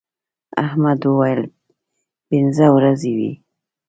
احمد وويل: پینځه ورځې وې.